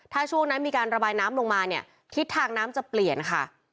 ถ้าช่วงนั้นมีการระบายน้ำลงมาเนี่ยทิศทางน้ำจะเปลี่ยนค่ะ